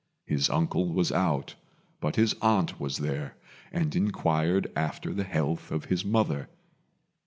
His uncle was out, but his aunt was there, and inquired after the health of his mother.